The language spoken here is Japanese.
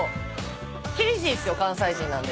厳しいっすよ関西人なんで。